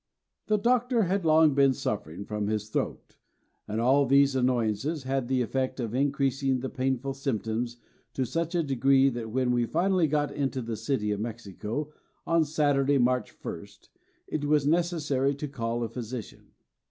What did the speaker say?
The Doctor had long been suffering from his throat, and all these annoyances had the effect of increasing the painful symptoms to such a degree that when we finally got into the city of Mexico on Saturday, March 1st, it was necessary to call a physician.